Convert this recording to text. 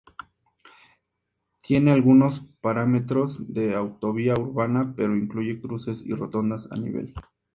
Tiene algunos parámetros de autovía urbana, pero incluye cruces y rotondas a nivel.